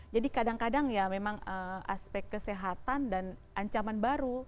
jadi kadang kadang ya memang aspek kesehatan dan ancaman baru